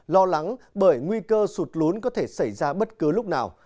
lo lắng bởi nguy cơ sụt lún có thể xảy ra bất cứ lúc nào